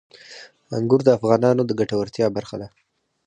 انګور د افغانانو د ګټورتیا برخه ده.